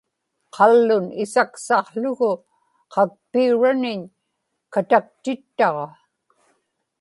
qallun isaksaqługu qakpiuraniñ kataktittaġa